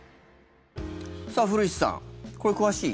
古市さん、これ詳しい？